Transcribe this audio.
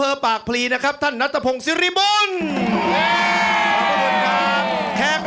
ออกออกออกออกออกออกออกออกออกออกออก